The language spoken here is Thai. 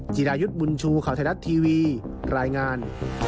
จิรายุทธ์บุญชูข่าวไทยรัฐทีวีรายงาน